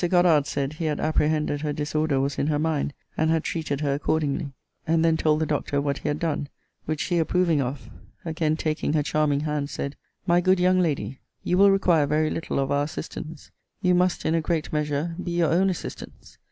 Goddard said he had apprehended her disorder was in her mind; and had treated her accordingly: and then told the Doctor what he had done: which he approving of, again taking her charming hand, said, My good young lady, you will require very little of our assistance. You must, in a great measure, be your own assistance.